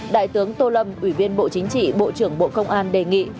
đại tướng tô lâm ủy viên bộ chính trị bộ trưởng bộ công an đề nghị